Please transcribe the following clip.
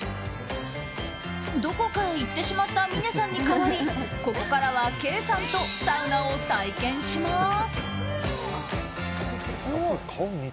どこかへ行ってしまった峰さんに代わりここからは兄さんとサウナを体験します。